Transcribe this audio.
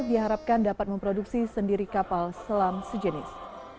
diharapkan dapat memproduksi sendiri kapal selam sejenis